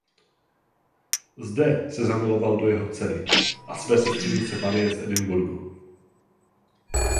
Zde se zamiloval do jeho dcery a své sestřenice Marie z Edinburghu.